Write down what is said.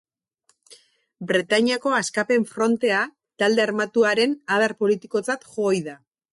Bretainiako Askapen Frontea talde armatuaren adar politikotzat jo ohi da.